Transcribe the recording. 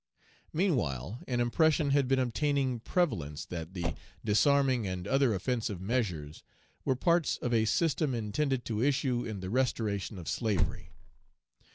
Meanwhile, an impression had been obtaining prevalence that the disarming and other offensive measures were parts of a system intended to issue in the restoration of slavery.